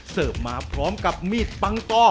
เสิร์ฟมาพร้อมกับมีดปังต่อ